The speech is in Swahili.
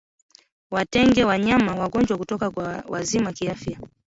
Watenge wanyama wagonjwa kutoka kwa wazima kiafya